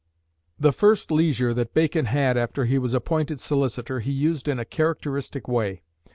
The first leisure that Bacon had after he was appointed Solicitor he used in a characteristic way.